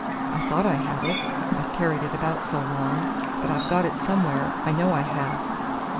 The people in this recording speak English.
"I thought I had it, I've carried it about so long; but I've got it somewhere, I know I have!"